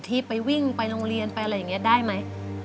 ที่ไปวิ่งไปโรงเรียนไปอะไรอย่างนี้ได้ไหม